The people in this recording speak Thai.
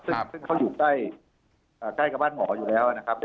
ซึ่งเขาอยู่ใกล้กับบ้านหมออยู่แล้วนะครับ